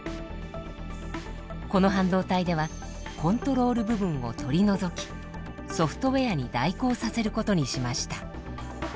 この半導体ではコントロール部分を取り除きソフトウエアに代行させることにしました。